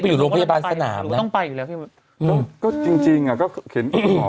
ซึ่งยังไงคือเราต้อง